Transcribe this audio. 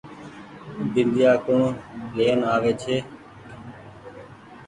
اي بنديآ ڪوڻ لين آوي ڇي۔